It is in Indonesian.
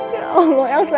ya allah elsa